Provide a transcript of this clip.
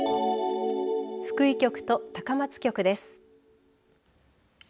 福井局と高松局です。